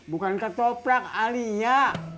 bukan ketoprak alia